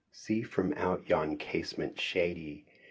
:See from out yon casement shady.